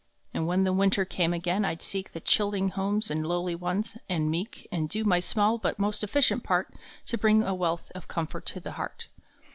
And when the winter came again I d seek The chilling homes of lowly ones and meek And do my small but most efficient part To bring a wealth of comfort to the heart.